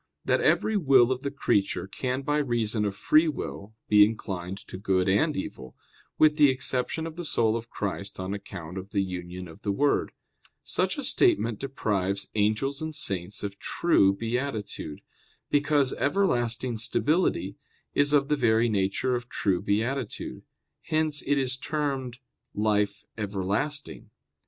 6] that every will of the creature can by reason of free will be inclined to good and evil; with the exception of the soul of Christ on account of the union of the Word. Such a statement deprives angels and saints of true beatitude, because everlasting stability is of the very nature of true beatitude; hence it is termed "life everlasting."